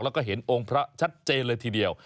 แล้วก็เห็นองค์พระชัดเจนเลยทีเดียว